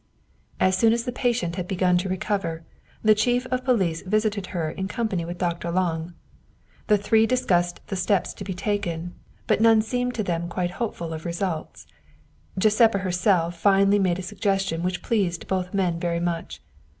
As soon as the patient had begun to recover, the chief of police visited her in company with Dr. Lange. The three discussed the steps to be taken, but none seemed to them quite hopeful of results. Giuseppa herself finally made a suggestion which pleased both men very much.